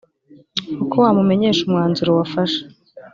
uko wamumenyesha umwanzuro wafashe